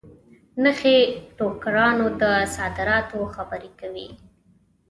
نخې ټوکرانو د صادراتو خبري کوي.